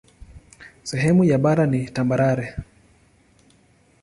Sehemu ya bara ni tambarare.